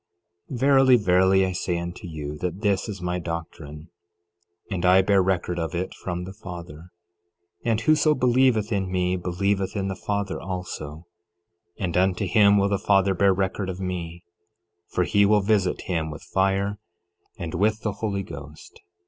11:35 Verily, verily, I say unto you, that this is my doctrine, and I bear record of it from the Father; and whoso believeth in me believeth in the Father also; and unto him will the Father bear record of me, for he will visit him with fire and with the Holy Ghost.